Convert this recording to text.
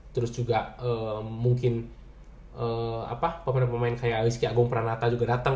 terus juga mungkin pemain pemain kayak rizky agung pranata juga datang